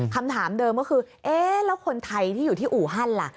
คำถามเดิมก็คือเอ๊ะแล้วคนไทยที่อยู่ที่อู่ฮั่นล่ะ